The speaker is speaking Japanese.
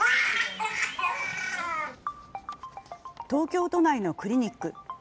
東京都内のクリニック。